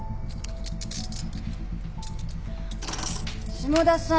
霜田さん。